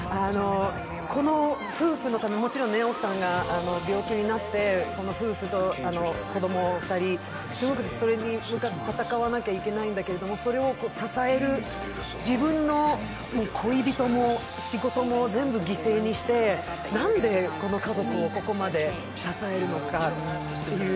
この夫婦、もちろん奥さんが病気になって、夫婦と子供２人、それに闘わなきゃいけないんだけどそれを支える、自分の恋人も仕事も全部犠牲にしてなんでこの家族をここまで支えるのかという。